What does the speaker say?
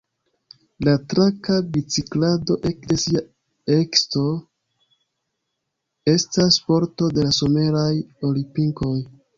La traka biciklado ekde sia ekesto estas sporto de la Someraj Olimpikoj.